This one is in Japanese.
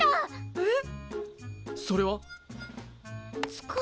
えっ？